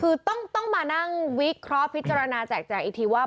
คือต้องมานั่งวิเคราะห์พิจารณาแจกแจงอีกทีว่า